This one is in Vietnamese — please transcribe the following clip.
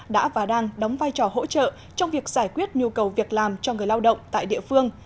đã và đang đóng vai trò hỗ trợ trong việc giải quyết nhu cầu việc làm cho người lao động tại địa phương